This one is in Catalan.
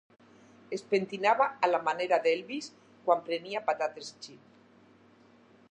Es pentinava a la manera d'Elvis quan prenia patates xip.